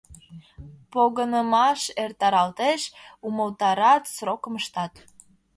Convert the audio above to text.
Погынымаш эртаралтеш, умылтарат, срокым ыштат.